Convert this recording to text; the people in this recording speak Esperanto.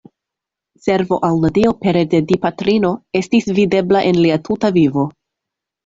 Servo al la Dio pere de Dipatrino estis videbla en lia tuta vivo.